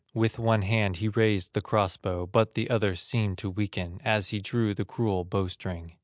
With one hand he raised the cross bow But the other seemed to weaken, As he drew the cruel bow string.